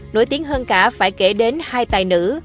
nổi tiếng hơn cả phải kể đến hai tài nữ